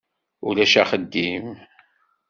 Ulac axeddim.